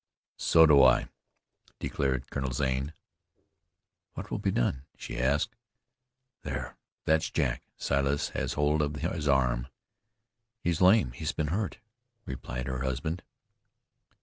"So do I," declared Colonel Zane. "What will be done?" she asked. "There! that's Jack! Silas has hold of his arm." "He's lame. He has been hurt," replied her husband.